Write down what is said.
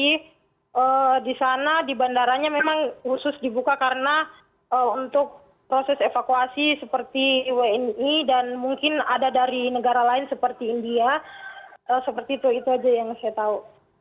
di sana di bandaranya memang khusus dibuka karena untuk proses evakuasi seperti wni dan mungkin ada dari negara lain seperti india seperti itu itu saja yang saya tahu